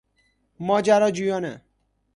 ماجراجویانه